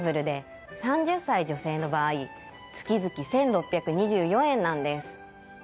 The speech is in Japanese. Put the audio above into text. ３０歳女性の場合月々１６２４円なんです。